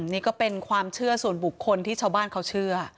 นี่ก็เป็นความเชื่อส่วนบุคคลที่ชาวบ้านเขาเชื่อ